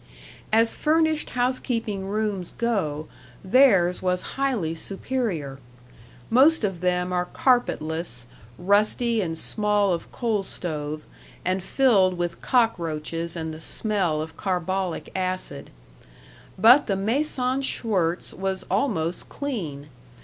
As furnished housekeeping rooms go, theirs was highly superior. Most of them are carpetless, rusty and small of coal stove, and filled with cockroaches and the smell of carbolic acid. But the maison Schwirtz was almost clean.